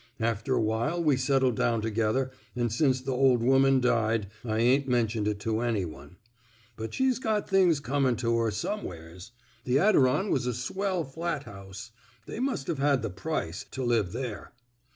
... After awhile we settled down together an' since th' ol' woman died, I ain't mentioned it to any one: ... But she's got things comin' to her, SQmewheres. The Adiron was a swell flat house. They must 've had the price — to live there."